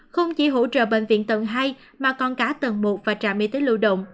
không chỉ hỗ trợ bệnh viện tầng hai mà còn cả tầng một và trạm y tế lưu động